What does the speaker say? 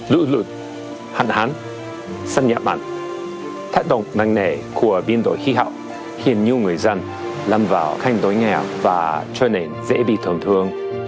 lự lực hạn hán sân nhạc mặn thác động mạnh nẻ của biên đội khí hậu khiến nhiều người dân lâm vào khanh đối nghèo và trở nên dễ bị thầm thương